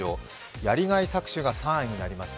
やりがい搾取が３位になりました。